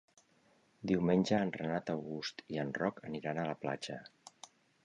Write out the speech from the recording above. Diumenge en Renat August i en Roc aniran a la platja.